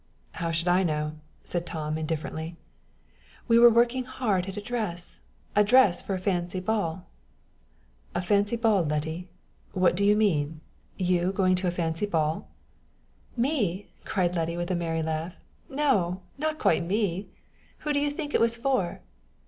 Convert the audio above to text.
"How should I know?" said Tom, indifferently. "We were working hard at a dress a dress for a fancy ball!" "A fancy ball, Letty? What do you mean? You going to a fancy ball!" "Me!" cried Letty, with merry laugh; "no, not quite me. Who do you think it was for?"